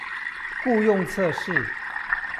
雇用測試